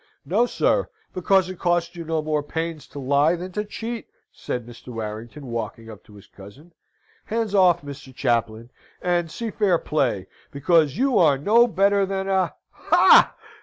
"No, sir: because it costs you no more pains to lie than to cheat," said Mr. Warrington, walking up to his cousin. "Hands off, Mr. Chaplain, and see fair play! Because you are no better than a ha!